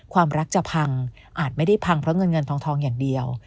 ความรักจะพังอาจไม่ได้พังเพราะเงินเงินทองอย่างเดียว